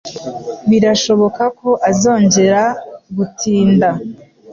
Birashoboka ko azongera gutinda.